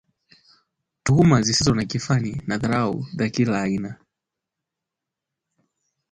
Tuhuma zisizo na kifani na dharau za kila aina